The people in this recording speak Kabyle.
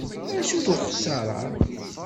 Acu-t uxessar-a?